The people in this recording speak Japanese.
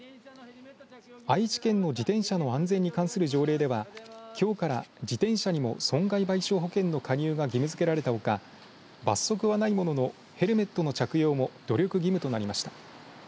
愛知県の自転車の安全に関する条例ではきょうから自転車にも損害賠償保険の加入が義務づけられたほか罰則はないもののヘルメットの着用も努力義務となりました。